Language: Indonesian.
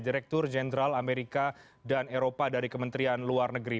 direktur jenderal amerika dan eropa dari kementerian luar negeri